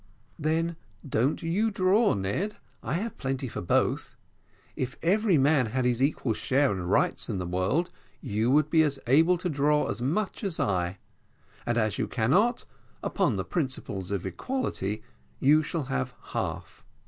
"Then don't you draw, Ned I have plenty for both. If every man had his equal share and rights in the world, you would be as able to draw as much as I; and, as you cannot, upon the principles of equality, you shall have half."